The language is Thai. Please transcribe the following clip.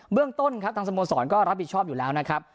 เรื่องต้นครับทางสโมสรก็รับผิดชอบอยู่แล้วนะครับ